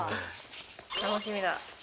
楽しみだ。